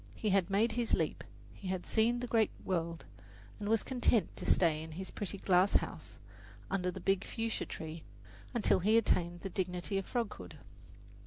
He had made his leap, he had seen the great world, and was content to stay in his pretty glass house under the big fuchsia tree until he attained the dignity of froghood.